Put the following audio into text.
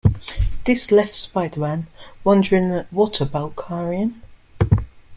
This left Spider-Man wondering What about Carrion?